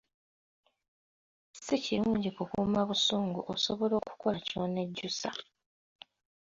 Si kirungi kukuuma busungu osobola okukola ky'onnejjusa.